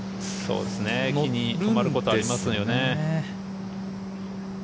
一気に止まることありますよね。